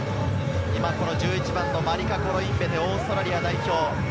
１１番のマリカ・コロインベテ、オーストラリア代表。